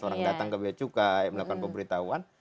orang datang ke bea cukai melakukan pemberitahuan